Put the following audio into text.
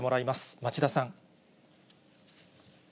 町田さん。